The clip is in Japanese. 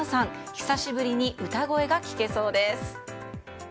久しぶりに歌声が聴けそうです。